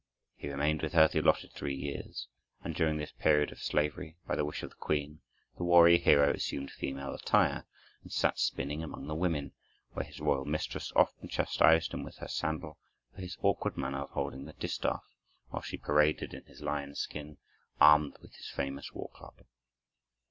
He remained with her the allotted three years, and during this period of slavery, by the wish of the queen, the warrior hero assumed female attire and sat spinning among the women, where his royal mistress often chastised him with her sandal for his awkward manner of holding the distaff, while she paraded in his lion's skin, armed with his famous war club.